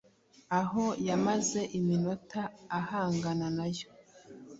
aho yamaze iminota ahangana na yo